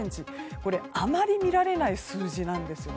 これ、あまり見られない数字なんですね。